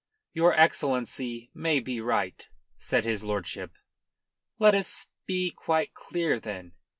"Your Excellency may be right," said his lordship. "Let us be quite clear, then.